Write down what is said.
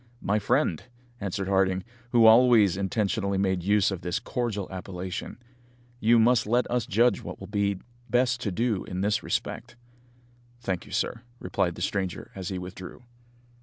"My friend," answered Harding, who always intentionally made use of this cordial appellation, "you must let us judge what it will be best to do in this respect." "Thank you, sir," replied the stranger as he withdrew.